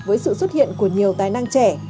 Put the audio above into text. với sự xuất hiện của nhiều tài năng trẻ